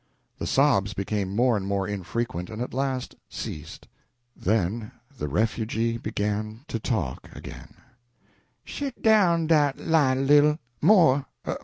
The sobs became more and more infrequent, and at last ceased. Then the refugee began to talk again: "Shet down dat light a little. More.